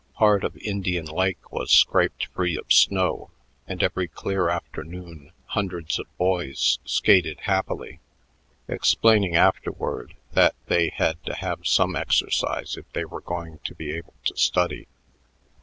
Part of Indian Lake was scraped free of snow, and every clear afternoon hundreds of boys skated happily, explaining afterward that they had to have some exercise if they were going to be able to study.